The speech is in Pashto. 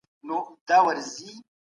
څلور منفي يو؛ درې پاته کېږي.